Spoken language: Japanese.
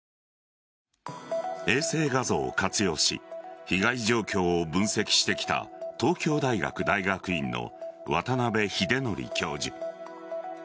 衛星画像を活用し被害状況を分析してきた東京大学大学院の渡邉英徳教授。